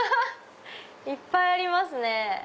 いっぱいありますね。